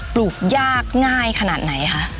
ปลูกยากง่ายขนาดไหนคะ